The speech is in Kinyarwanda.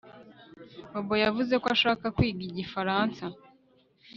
Bobo yavuze ko ashaka kwiga igifaransa